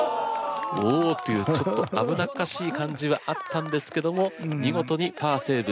「おお」という危なっかしい感じあったんですけども見事にパーセーブ。